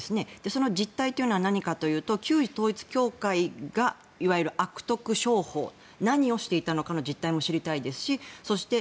その実態は何かというと旧統一教会が、いわゆる悪徳商法何をしていたのかの実態も知りたいですしそして